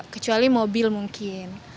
kecuali mobil mungkin